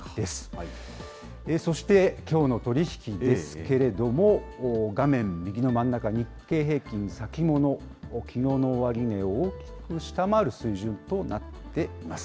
そして、きょうの取り引きですけれども、画面右の真ん中、日経平均先物、きのうの終値を大きく下回る水準となっています。